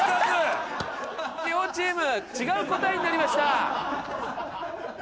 両チーム違う答えになりました。